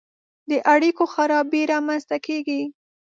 د اړیکو خرابي رامنځته کیږي.